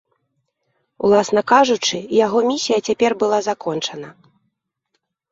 Уласна кажучы, яго місія цяпер была закончана.